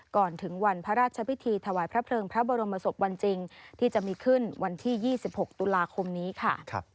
ก่อนถึงวันพระราชพิธีถวายพระเพลิงพระบรมศพวันจริงที่จะมีขึ้นวันที่๒๖ตุลาคมนี้ค่ะ